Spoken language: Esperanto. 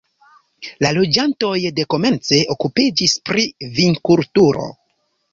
La loĝantoj dekomence okupiĝis pri vinkulturo.